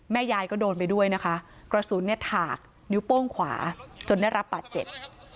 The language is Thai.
ยายก็โดนไปด้วยนะคะกระสุนเนี่ยถากนิ้วโป้งขวาจนได้รับบาดเจ็บ